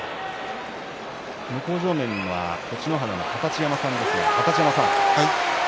向正面は栃乃花の二十山さんです。